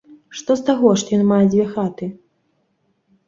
Што з таго, што ён мае дзве хаты!